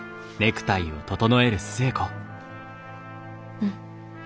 うん。